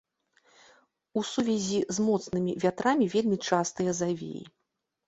У сувязі з моцнымі вятрамі вельмі частыя завеі.